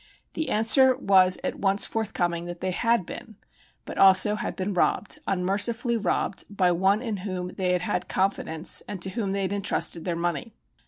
The answer was at once forthcoming that they had been, but also had been robbed unmercifully robbed, by one in whom they had had confidence and to whom they had entrusted their money.